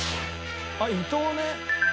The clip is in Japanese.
あっ伊東ね。